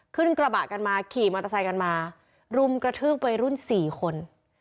รุ่นกระบะกันมาขี่มอเตอร์ไซค์กันมารุ่นกระทืบไปรุ่น๔คน